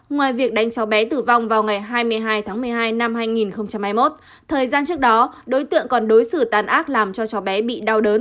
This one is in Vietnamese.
ngoài việc đánh cháu bé tử vong vào ngày hai mươi hai tháng một mươi hai năm hai nghìn hai mươi một thời gian trước đó đối tượng còn đối xử tàn ác làm cho cháu bé bị đau đớn